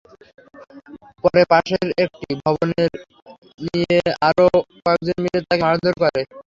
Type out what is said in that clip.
পরে পাশের একটি ভবনের নিয়ে আরও কয়েকজন মিলে তাকে মারধর করে।